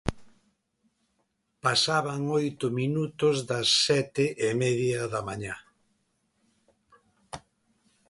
Pasaban oito minutos das sete e media da mañá.